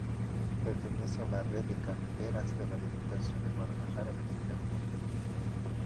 Pertenece a la Red de Carreteras de la Diputación de Guadalajara de primer orden.